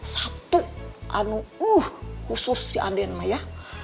satu anuuh khusus si anden ma ya